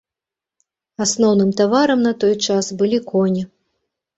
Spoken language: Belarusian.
Асноўным таварам на той час былі коні.